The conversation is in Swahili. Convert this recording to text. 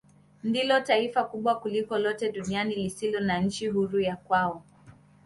Ndilo taifa kubwa kuliko lote duniani lisilo na nchi huru ya kwao.